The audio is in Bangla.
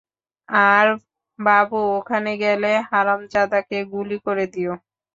আর বাবু ওখানে গেলে, হারামজাদাকে গুলি করে দিও।